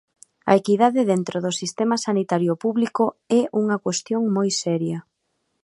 A equidade dentro do sistema sanitario público é unha cuestión moi seria.